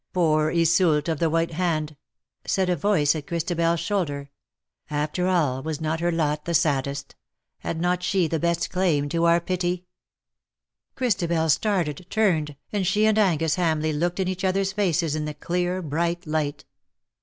" Poor Iseult of the AVhite Hand/' said a voice 19G ^'AND PALE FROM THE PAST at Christabers shoulder, " after all was not her lot tlie saddest — had not she the best claim to our pity r' Christabel started, turned, and she and Angus Hamleigh looked in each other^s faces in the clear bright light.